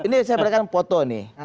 ini saya berikan foto nih